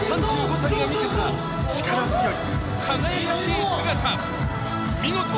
３５歳が魅せた力強い輝かしい姿見事！